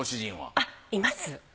あいます。